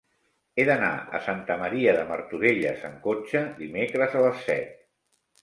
He d'anar a Santa Maria de Martorelles amb cotxe dimecres a les set.